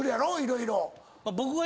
色々。